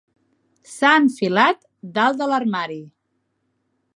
S'ha enfilat dalt de l'armari.